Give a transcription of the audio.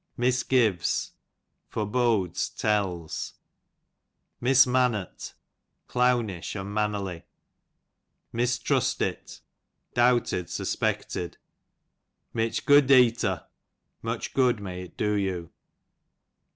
Misgives, forebodes, t^lls. Mismannert, clownish, unman^ nerly. Mistrustit, doubted, suspected^ Mitch go deet'o, much good may it do you.